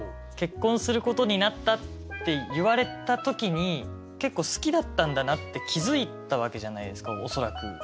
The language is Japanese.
結婚することになったって言われた時に結構好きだったんだなって気付いたわけじゃないですか恐らく。